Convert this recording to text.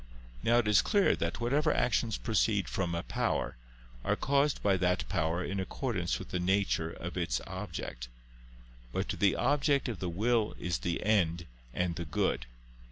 Now it is clear that whatever actions proceed from a power, are caused by that power in accordance with the nature of its object. But the object of the will is the end and the good.